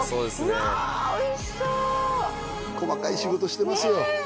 うわっおいしそう細かい仕事してますよねえ